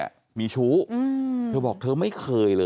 อย่าอยู่ตรงนั้นแล้วนะ